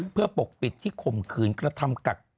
เพื่อปกปิดที่ข่มขืนกระทำกัก